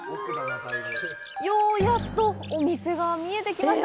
ようやくお店が見えてきました。